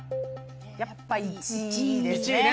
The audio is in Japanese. やっぱ１位ですね。